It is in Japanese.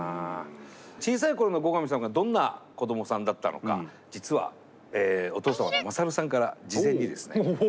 小さい頃の後上さんがどんな子どもさんだったのか実はお父様の勝さんから事前にですね。